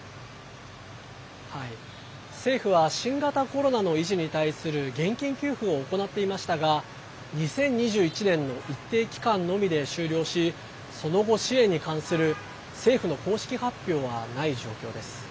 政府は新型コロナの遺児に対する現金給付を行っていましたが２０２１年の一定期間のみで終了しその後、支援に関する政府の公式発表はない状況です。